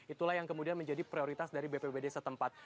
itulah yang kemudian menjadi prioritas dari bpbd setempat